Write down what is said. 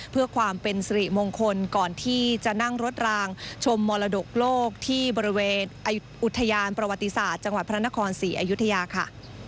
เพื่อความเป็นสิริมงคลก่อนที่จะนั่งรถรางชมมรดกโลกที่บริเวณอุทยานประวัติศาสตร์จังหวัดพระนครศรีอยุธยาค่ะ